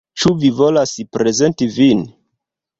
Ĉu vi volas prezenti vin